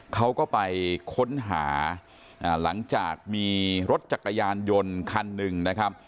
เขาก็ไปค้นหาหลังจากมีรถจักรยานยนต์คันหนึ่งนะครับ